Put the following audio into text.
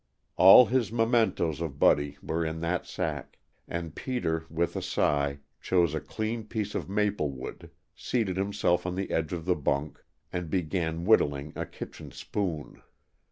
All his mementos of Buddy were in that sack, and Peter, with a sigh, chose a clean piece of maple wood, seated himself on the edge of the bunk, and began whittling a kitchen spoon.